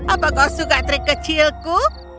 apa kau suka trik kecilku